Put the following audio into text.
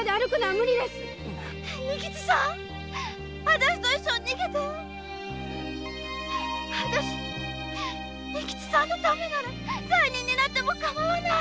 私と一緒に逃げて私仁吉っつぁんのためなら罪人になってもかまわない。